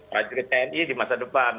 prajurit tni di masa depan